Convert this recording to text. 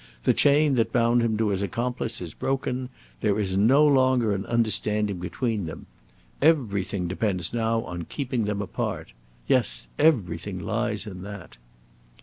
The chain that bound him to his accomplice is broken; there is no longer an understanding between them. Everything depends now upon keeping them apart. Yes, everything lies in that!"